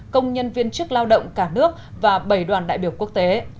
công nhân viên chức lao động cả nước và bảy đoàn đại biểu quốc tế